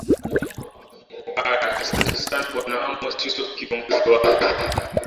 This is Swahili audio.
haya ahsante sana bwana amos yusufu kiongozi wa